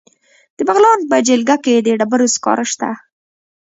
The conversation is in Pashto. د بغلان په جلګه کې د ډبرو سکاره شته.